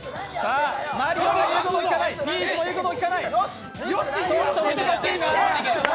マリオが言うこと聞かない、ピーチも言うこと聞かない。